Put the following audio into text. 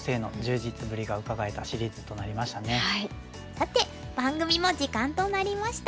さて番組も時間となりました。